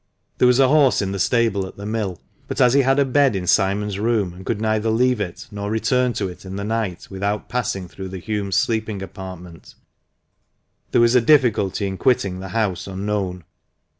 There was a horse in the stable at the mill, but as he had a bed in Simon's room, and could neither leave it nor return to it in the night without passing through the Hulmes' sleeping apartment, there was a difficulty in quitting the house un known.